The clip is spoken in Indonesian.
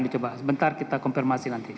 dicoba sebentar kita konfirmasi nanti